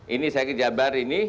ini saya ke jabar ini